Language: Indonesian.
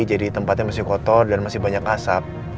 jadi tempatnya masih kotor dan masih banyak asap